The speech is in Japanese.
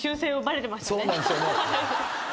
そうなんですよね。